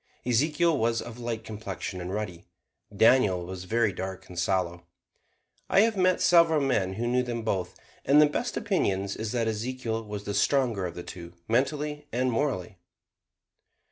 Ezekiel was of light complexion and ruddy; Daniel was very dark and sallow. I have met several men who knew them both, and the best opinion is that Ezekiel was the stronger of the two, mentally and morally.